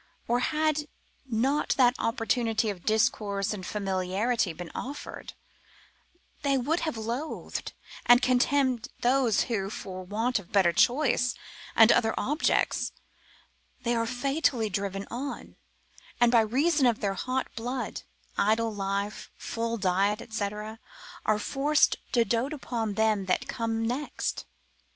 Or had not that opportunity of discourse and familiarity been offered, they would have loathed and contemned those whom, for want of better choice and other objects, they are fatally driven on, and by reason of their hot blood, idle life, full diet, &c., are forced to dote upon them that come next.